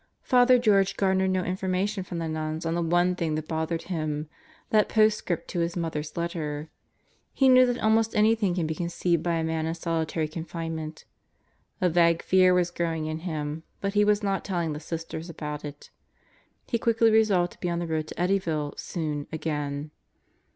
Father George garnered no information from the nuns on the one thing that bothered him that postscript to his mother's letter* He knew that almost anything can be conceived by a man in solitary confinement. A vague fear was growing in him, but he was not telling the Sisters about it. He quietly resolved to be on the road to Eddyville soon again.